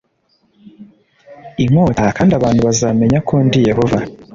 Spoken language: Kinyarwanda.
inkota kandi abantu bazamenya ko ndi Yehova